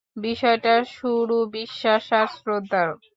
বিষয়টা শুরু বিশ্বাস আর শ্রদ্ধার।